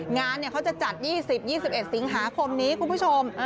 งานเขาจะจัด๒๐๒๑สิงหาคมนี้คุณผู้ชม